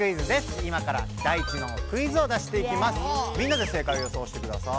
みんなで正かいをよそうしてください。